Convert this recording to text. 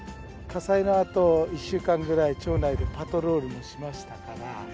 火災のあと１週間ぐらい、町内でパトロールもしましたから。